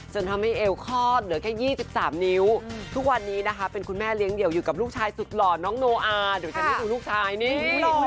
จนทำให้เอวคลอดเหลือแค่๒๓นิ้วทุกวันนี้นะคะเป็นคุณแม่เลี้ยงเดี่ยวอยู่กับลูกชายสุดหล่อน้องโนอาเดี๋ยวจะได้ดูลูกชายนี่